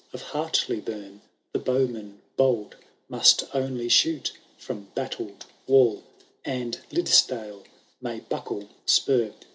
Of Hartley bum the bowmen bold Must only shoot from battled wall ; And liddesdale may buckle spur.